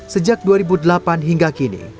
sejak dua ribu delapan hingga kini